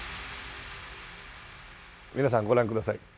皆さんご覧ください。